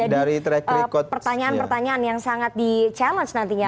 karena itu akan menjadi pertanyaan pertanyaan yang sangat di challenge nantinya